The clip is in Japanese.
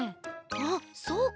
あっそうか。